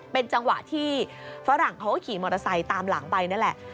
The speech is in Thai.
เป็นจังหวะที่ฝรั่งเขาก็ขี่มอเตอร์ไซค์ตามหลังไปนั่นแหละ